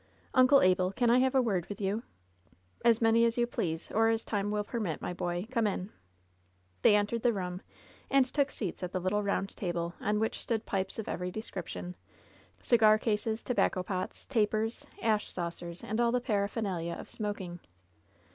"Uncle Abel, can I have a word with you ?" "As many as you please, or as time will permit, my boy. Come in." They entered the room, and took seats at the little round table, on which stood pipes of every description, cigar cases, tobacco pots, tapers, ash saucers and all the paraphernalia of smoking.